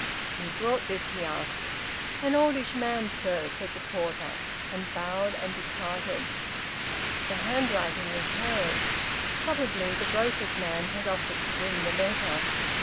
"Who brought this?" he asked. "An oldish man, sir," said the porter, and bowed and departed. The handwriting was hers. Probably the broker's man had offered to bring the letter.